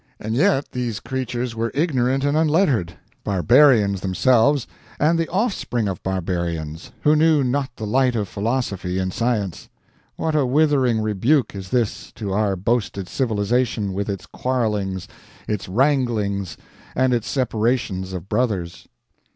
And yet these creatures were ignorant and unlettered barbarians themselves and the offspring of barbarians, who knew not the light of philosophy and science. What a withering rebuke is this to our boasted civilization, with its quarrelings, its wranglings, and its separations of brothers!